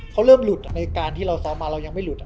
เขาเริ่มหลุดในการที่เราซ้อมมาเรายังไม่หลุด